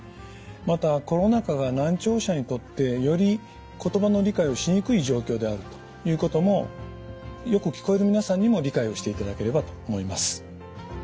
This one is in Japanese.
またコロナ禍が難聴者にとってより言葉の理解をしにくい状況であるということもよく聞こえる皆さんにも理解をしていただければと思います。